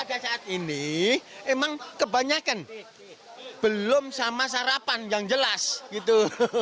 pada saat ini emang kebanyakan belum sama sarapan yang jelas gitu